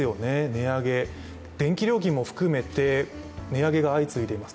値上げ、電気料金も含めて値上げが相次いでいます。